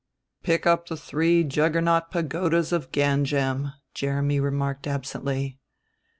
"Pick up the three Juggernaut Pagodas of Ganjam," Jeremy remarked absently.